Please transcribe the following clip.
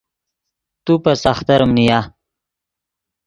تو پے ساختریم نیا